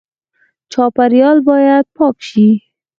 چاپیریال باید پاک شي